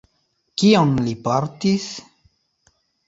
Kion li portis?